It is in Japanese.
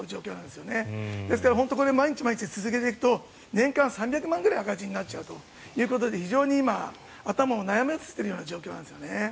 ですから、本当に毎日毎日続けていくと年間３００万ぐらい赤字になっちゃうということで非常に今、頭を悩ませている状況なんですね。